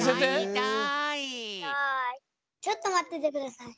じゃあちょっとまっててください。